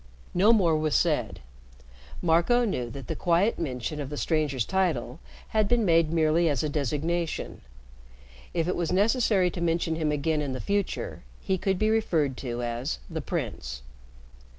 No more was said. Marco knew that the quiet mention of the stranger's title had been made merely as a designation. If it was necessary to mention him again in the future, he could be referred to as "the Prince."